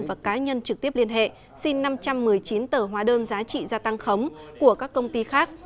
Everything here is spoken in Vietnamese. và cá nhân trực tiếp liên hệ xin năm trăm một mươi chín tờ hóa đơn giá trị gia tăng khống của các công ty khác